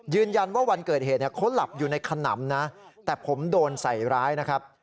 วันเกิดเหตุเขาหลับอยู่ในขนำนะแต่ผมโดนใส่ร้ายนะครับ